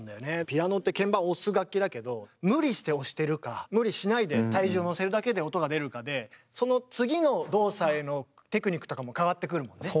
ピアノって鍵盤押す楽器だけど無理して押してるか無理しないで体重をのせるだけで音が出るかでその次の動作へのテクニックとかも変わってくるもんね？